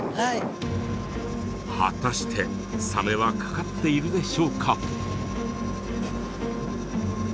果たしてサメは掛かっているでしょうか？